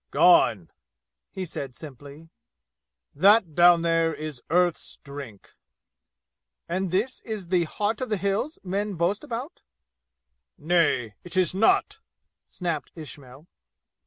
"Gone!" he said simply. "That down there is Earth's Drink!" "And this is the 'Heart of the Hills' men boast about?" "Nay! It is not!" snapped Ismail.